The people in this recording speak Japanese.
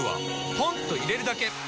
ポンと入れるだけ！